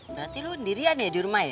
berarti lu sendirian ya di rumah ya